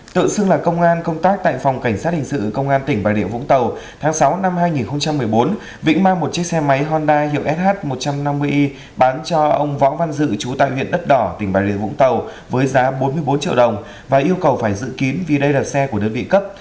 tự xưng là công an công tác tại phòng cảnh sát hình sự công an tỉnh bà địa vũng tàu tháng sáu năm hai nghìn một mươi bốn vĩnh mang một chiếc xe máy honda hiệu sh một trăm năm mươi y bán cho ông võ văn dự trú tại huyện đất đỏ tỉnh bà rịa vũng tàu với giá bốn mươi bốn triệu đồng và yêu cầu phải giữ kín vì đây là xe của đơn vị cấp